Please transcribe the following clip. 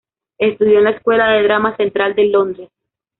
Estudió en la Escuela de Drama Central del Londres.